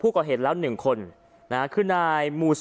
พระเจ้าอาวาสกันหน่อยนะครับ